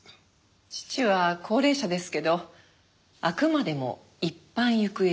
義父は高齢者ですけどあくまでも一般行方不明者。